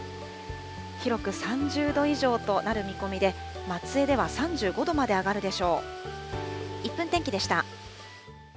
広く３０度以上となる見込みで、松江では３５度まで上がるでしょう。